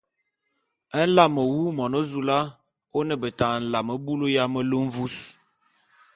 Nlame wu, Monezoula, ô ne beta nlame bulu ya melu mvus.